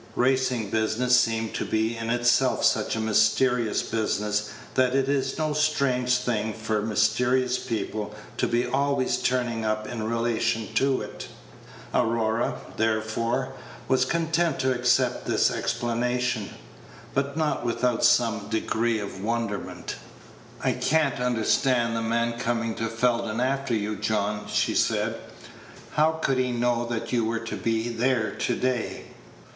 Racing business seems to be in itself such a mysterious business that it is no strange thing for mysterious people to be always turning up in relation to it. Aurora, therefore, was content to accept this explanation, but not without some degree of wonderment. "I can't understand the man coming to Felden after you, John," she said. "How could he know that you were to be there to day?"